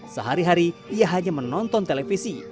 sehari hari ia hanya menonton televisi